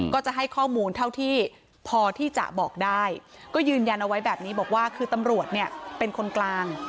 ก็จะให้ข้อมูลเท่าที่พอที่จะบอกได้ก็ยืนยันเอาไว้แบบนี้บอกว่าคือตำรวจเนี่ยเป็นคนกลาง